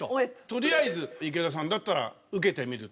とりあえず池田さんだったら受けてみると。